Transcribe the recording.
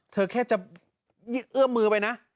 แค่จะเอื้อมมือไปนะ